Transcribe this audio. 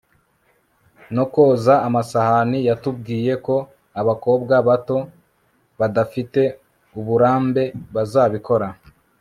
no koza amasahani. yatubwiye ko abakobwa bato, badafite uburambe bazabikora